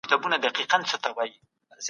هغه ځوان چي په کابل کي دنده لري، ډېر بوخت وي.